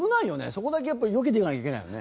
そこだけやっぱよけていかなきゃいけないよね。